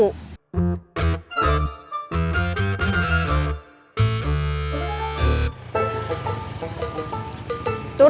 kita akan ke antara